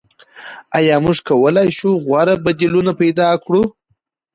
آیا موږ کولای شو غوره بدیلونه پیدا کړو؟